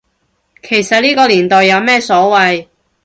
其實呢個年代有咩所謂